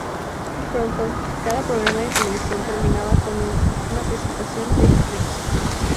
Pronto, cada programa de televisión terminaba con una presentación de "Ricky".